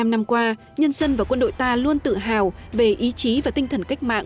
bảy mươi năm năm qua nhân dân và quân đội ta luôn tự hào về ý chí và tinh thần cách mạng